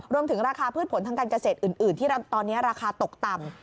รวมถึงราคาพืชผลทางการเกษตรอื่นที่ตอนนี้ราคาตกต่ำ